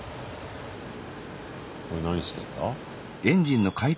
これ何してんだ？